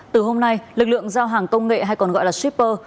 từ hôm nay lực lượng giao hàng công nghệ hay còn gọi là shipper